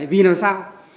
vì làm sao